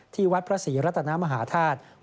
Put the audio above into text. ที่วัดพระศรีรัตนามหาธาตุ